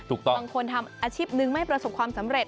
บางคนทำอาชีพหนึ่งไม่ประสบความสำเร็จ